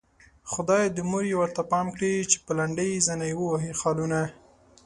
خدايه د مور يې ورته پام کړې چې په لنډۍ زنه يې ووهي خالونه